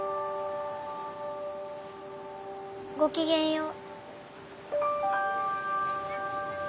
ごきげんよう。